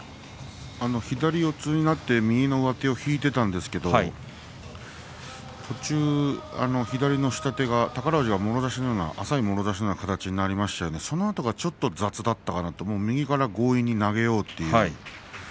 左四つになって右の上手を引いていたんですけれども途中、左の下手が宝富士がもろ差し浅いもろ差しの形になってそのあとがちょっと雑だったかな右から強引に投げようという。